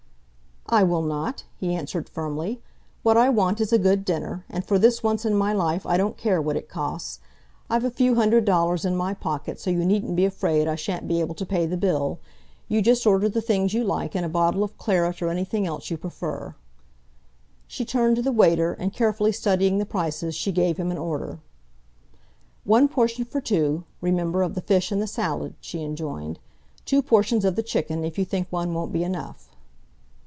"I will not," he answered firmly. "What I want is a good dinner, and for this once in my life I don't care what it costs. I've a few hundred dollars in my pocket, so you needn't be afraid I shan't be able to pay the bill. You just order the things you like, and a bottle of claret or anything else you prefer." She turned to the waiter, and, carefully studying the prices, she gave him an order. "One portion for two, remember, of the fish and the salad," she enjoined. "Two portions of the chicken, if you think one won't be enough."